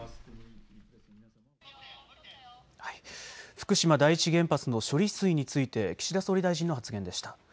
福島第一原発の処理水について岸田総理大臣の発言でした。